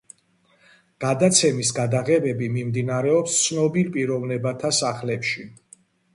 გადაცემის გადაღებები მიმდინარეობს ცნობილ პიროვნებათა სახლებში.